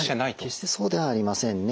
決してそうではありませんね。